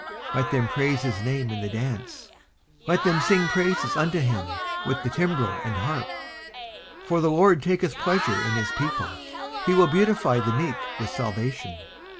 19:149:003 Let them praise his name in the dance: let them sing praises unto him with the timbrel and harp. 19:149:004 For the LORD taketh pleasure in his people: he will beautify the meek with salvation.